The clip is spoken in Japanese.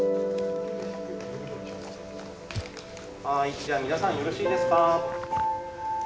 はいじゃあ皆さんよろしいですか？